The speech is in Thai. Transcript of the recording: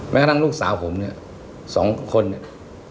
แม้ทั้งลูกสาวผมเนี่ย๒คนเนี่ย